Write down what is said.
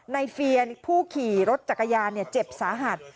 เฟียผู้ขี่รถจักรยานเจ็บสาหัส